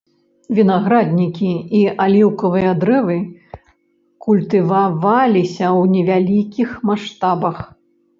Вінаграднікі і аліўкавыя дрэвы культываваліся ў невялікіх маштабах.